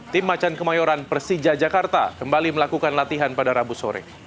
tim macan kemayoran persija jakarta kembali melakukan latihan pada rabu sore